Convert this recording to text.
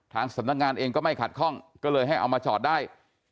ทางสำนักงานเองก็ไม่ขัดข้องก็เลยให้เอามาจอดได้